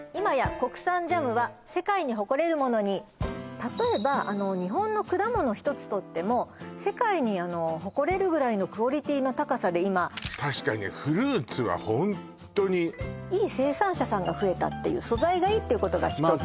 例えば日本の果物ひとつとっても世界に誇れるぐらいのクオリティーの高さで今確かにフルーツはホントにいい生産者さんが増えたっていう素材がいいっていうことが一つ